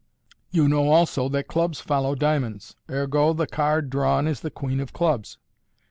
You know also that clubs follow dia monds : ergo, the card drawn is the queen of clubs.